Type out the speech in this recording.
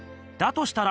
としたら